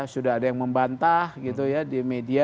sudah ada yang membantah gitu ya di media